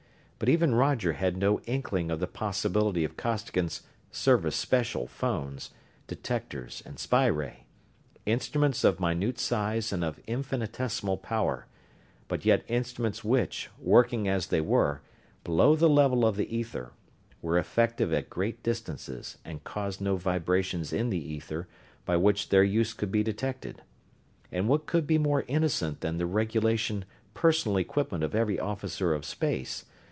But even Roger had no inkling of the possibility of Costigan's "Service Special" phones, detectors and spy ray instruments of minute size and of infinitesimal power, but yet instruments which, working as they were, below the level of the ether, were effective at great distances and caused no vibrations in the ether by which their use could be detected. And what could be more innocent than the regulation, personal equipment of every officer of space?